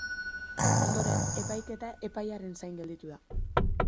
Ondoren, epaiketa epaiaren zain gelditu da.